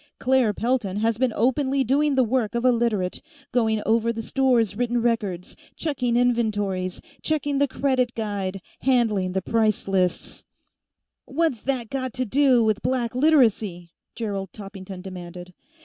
Claire Pelton has been openly doing the work of a Literate; going over the store's written records, checking inventories, checking the credit guide, handling the price lists " "What's that got to do with Black Literacy?" Gerald Toppington demanded.